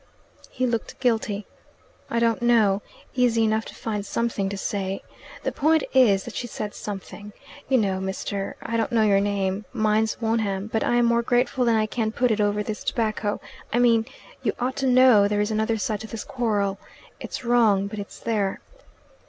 He looked guilty. "I don't know. Easy enough to find something to say. The point is that she said something. You know, Mr. I don't know your name, mine's Wonham, but I'm more grateful than I can put it over this tobacco. I mean, you ought to know there is another side to this quarrel. It's wrong, but it's there."